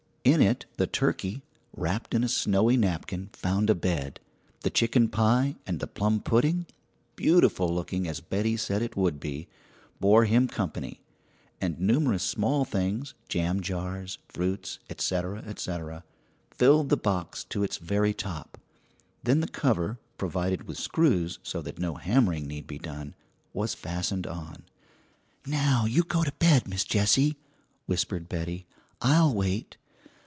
In it the turkey, wrapped in a snowy napkin, found a bed, the chicken pie and the plum pudding beautiful looking as Betty said it would be bore him company; and numerous small things, jam jars, fruits, etc., etc., filled the box to its very top. Then the cover, provided with screws so that no hammering need be done, was fastened on. "Now you go to bed, Miss Jessie," whispered Betty. "I'll wait."